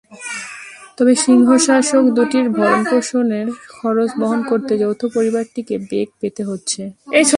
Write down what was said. তবে সিংহশাবক দুটির ভরণপোষণের খরচ বহন করতে যৌথ পরিবারটিকে বেগ পেতে হচ্ছে।